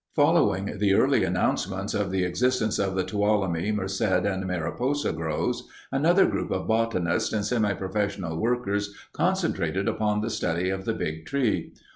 Following the early announcements of the existence of the Tuolumne, Merced, and Mariposa groves, another group of botanists and semiprofessional workers concentrated upon the study of the Big Tree.